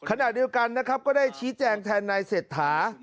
ขณะเดียวกันนะครับก็ได้ชี้แจงแทนนายเศรษฐา